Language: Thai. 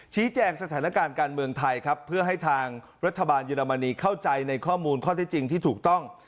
แจ้งสถานการณ์การเมืองไทยครับเพื่อให้ทางรัฐบาลเยอรมนีเข้าใจในข้อมูลข้อเท็จจริงที่ถูกต้อง